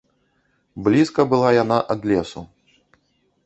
Блізка была яна ад лесу.